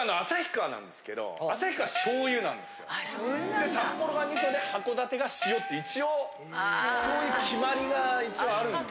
で札幌が味噌で函館が塩って一応そういう決まりが一応あるんで。